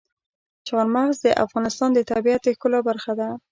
چار مغز د افغانستان د طبیعت د ښکلا برخه ده.